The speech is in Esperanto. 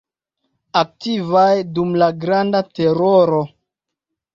Aktivaj dum la Granda teroro.